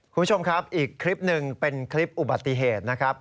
คุณผู้ชมครับอีกคลิปหนึ่งเป็นคลิปอุบัติเหตุนะครับ